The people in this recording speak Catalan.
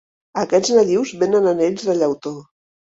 Aquests nadius venen anells de llautó.